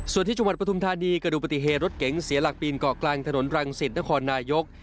ส่วนที่จังหวัดปฐุมธานีกระดูกปฏิเหตุรถเก๋งเสียหลักปีนเกาะกลางถนนรังสิตนครนายก